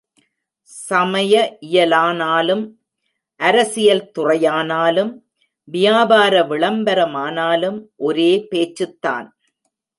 சமய இயலானாலும், அரசியல் துறையானாலும், வியாபார விளம்பரமானாலும் ஒரே பேச்சுத் தான்.